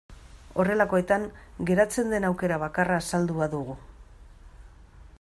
Horrelakoetan geratzen den aukera bakarra azaldua dugu.